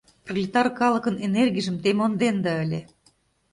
Пролетар калыкын энергийжым те монденда ыле.